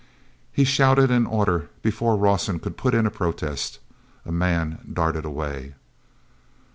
He shouted an order before Rawson could put in a protest. A man darted away.